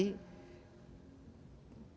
membaca tanda tetapi tidak mencari